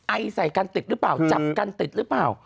ไอใส่กันติดหรือเปล่าจับกันติดหรือเปล่า